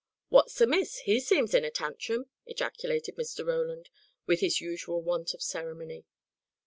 "What's amiss? he seems in a tantrum," ejaculated Mr. Roland, with his usual want of ceremony.